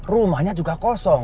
rumahnya juga kosong